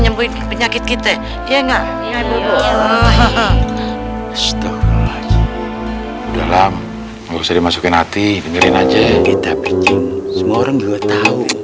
nyembuhi penyakit kita ya enggak ya hai setelah dalam harus dimasukin hati dengerin aja kita semua